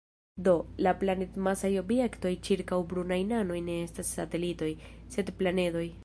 Do, la planed-masaj objektoj ĉirkaŭ brunaj nanoj ne estas satelitoj, sed planedoj.